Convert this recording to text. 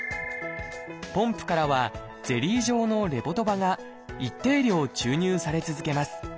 ポンプからはゼリー状のレボドパが一定量注入され続けます。